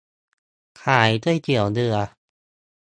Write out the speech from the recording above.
ขายก๋วยเตี๋ยวเรือ